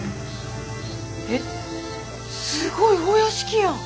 えっすごいお屋敷やん！